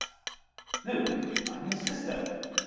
Luke, I am your sister!